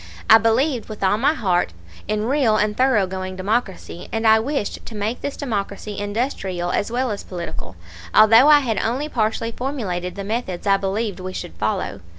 I believed with all my heart in real and thoroughgoing democracy, and I wished to make this democracy industrial as well as political, although I had only partially formulated the methods I believed we should follow.